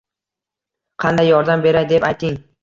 Qanday yordam beray?” deb ayting.